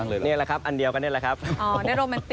อันเดียวกันนี้แหละในโรมานติกด้านด้านกัน